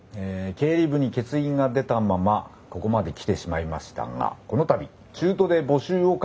経理部に欠員が出たままここまで来てしまいましたがこの度中途で募集をかけることになりました。